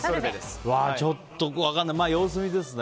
ちょっと分かんない様子見ですね。